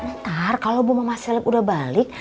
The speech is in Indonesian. ntar kalau bu mama seleb udah balik